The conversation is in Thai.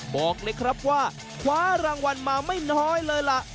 บอกเลยครับว่าคว้ารางวัลมาไม่น้อยเลยล่ะ